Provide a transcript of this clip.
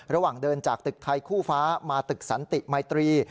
ระหว่างเดินจากตึกไทยคู่ฟ้ามาตึกสันติมัยตรี